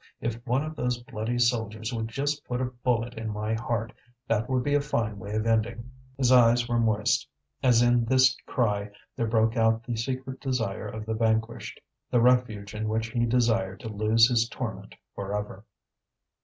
if one of those bloody soldiers would just put a bullet in my heart, that would be a fine way of ending!" His eyes were moist, as in this cry there broke out the secret desire of the vanquished, the refuge in which he desired to lose his torment for ever.